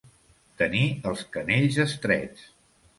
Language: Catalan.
Tenir els canells estrets.